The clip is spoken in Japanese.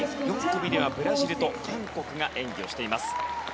４組ではブラジルと韓国が演技をしています。